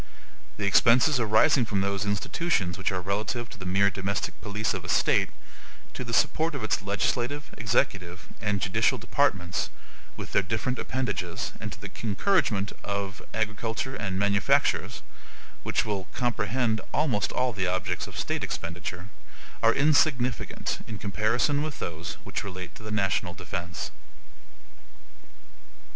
The expenses arising from those institutions which are relative to the mere domestic police of a state, to the support of its legislative, executive, and judicial departments, with their different appendages, and to the encouragement of agriculture and manufactures (which will comprehend almost all the objects of state expenditure), are insignificant in comparison with those which relate to the national defense.